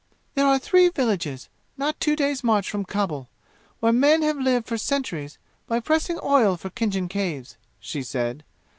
"There are three villages, not two days' march from Khabul, where men have lived for centuries by pressing oil for Khinjan Caves," she said.